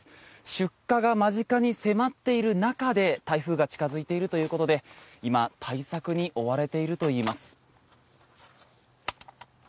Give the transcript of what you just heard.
出荷が間近に迫っている中で台風が近付いているということで今、対策に追われているといいます。